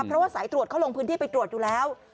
เพราะว่าสายตรวจเขาลงพื้นที่ไปตรวจอยู่แล้ว